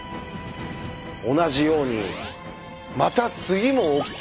同じようにまた次もＯＫ！